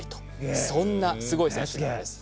そんなすごい選手なんです。